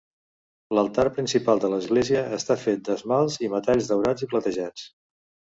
L'Altar principal de l'església està fet d'esmalts i metalls daurats i platejats.